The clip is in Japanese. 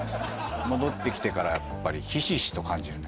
戻ってきてからやっぱりひしひしと感じるね